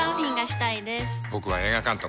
僕は映画監督。